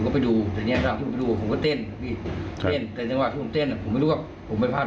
ผมพี่เท่าอยู่บนแฟนครับแล้วผมเมาแล้วผมรู้ว่ามีคอนเซิร์ตที่วัด